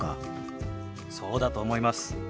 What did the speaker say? そうだと思います。